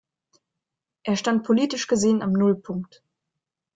Er stand politisch gesehen am Nullpunkt.